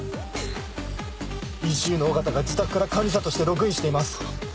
ＥＣＵの緒方が自宅から管理者としてログインしています。